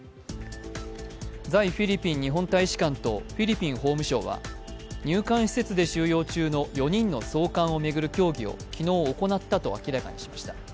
在フィリピン日本大使館とフィリピン法務省は入管施設で収容中の４人の送還を巡る協議を昨日行ったと明らかにしました。